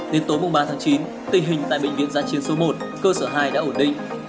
đến tối mùng ba tháng chín tình hình tại bệnh viện giã chiến số một cơ sở hai đã ổn định